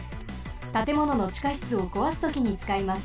たてもののちかしつをこわすときにつかいます。